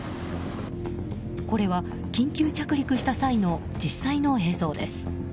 これは、緊急着陸した際の実際の映像です。